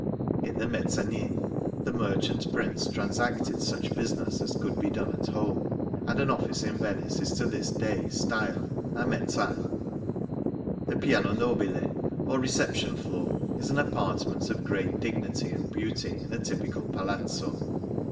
In the mezzaniti the merchant prince transacted such business as could be done at home ; and an office in Venice is to this day styled a mezza. The piano noh'ile^ or reception floor, is an apartment of great dignity and beauty in a typical palazzo.